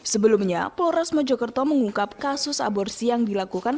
sebelumnya polres mojokerto mengungkap kasus aborsi yang dilakukan